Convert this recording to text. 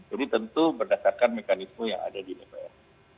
jadi tentu berdasarkan mekanisme yang ada di dpr